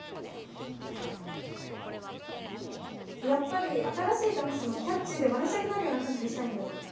やっぱり新しいダンスもキャッチ−でマネしたくなるような感じにしたいんだよね。